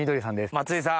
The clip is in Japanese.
松井さん。